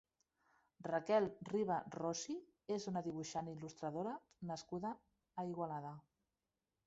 Raquel Riba Rossy és una dibuixant i il·lustradora nascuda a Igualada.